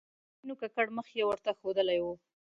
په وینو ککړ مخ یې ورته ښودلی و.